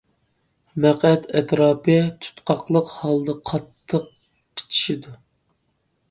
مەقئەت ئەتراپى تۇتقاقلىق ھالدا قاتتىق قىچىشىدۇ.